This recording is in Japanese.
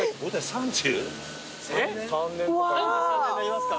３３年になりますか。